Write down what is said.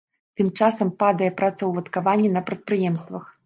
Тым часам падае працаўладкаванне на прадпрыемствах.